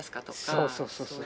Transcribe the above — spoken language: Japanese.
そうそうそうそう。